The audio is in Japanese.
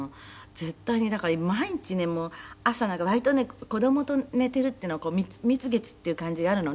「絶対にだから毎日ね朝なんか割とね子どもと寝てるっていうのは蜜月っていう感じがあるのね」